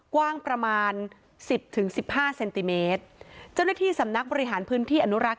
กว้างประมาณสิบถึงสิบห้าเซนติเมตรเจ้าหน้าที่สำนักบริหารพื้นที่อนุรักษ